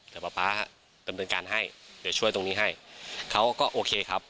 แต่ป๊าป๊าดำเนินการให้เดี๋ยวช่วยตรงนี้ให้เขาก็โอเคครับ